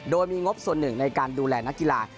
โดยมีงบส่วนหนึ่งในการดูแลนักกีฬา